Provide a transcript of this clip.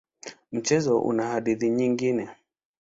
Mchezo una hadithi nyingine.